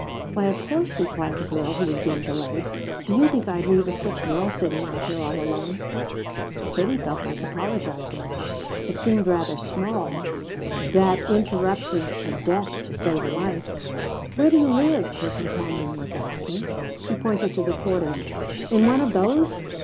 "Why of course," replied the girl who was being delayed. "Do you think I'd leave a sick girl sitting out here all alone?" Kate felt like apologizing. It seemed rather small that interrupting a death to save a life. "Where do you live?" her companion was asking. She pointed to the quarters. "In one of those?"